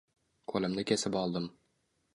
Qo'limni kesib oldim.